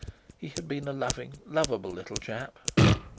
He had been a loving, lovable little chap!